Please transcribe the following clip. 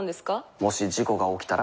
もし事故が起きたら？